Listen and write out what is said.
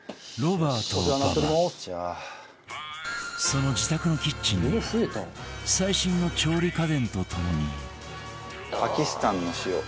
その自宅のキッチンには最新の調理家電とともに